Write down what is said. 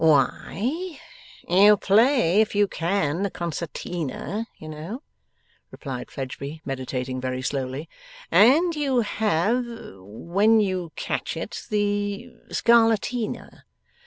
'Why, you play if you can the Concertina, you know,' replied Fledgeby, meditating very slowly. 'And you have when you catch it the Scarlatina.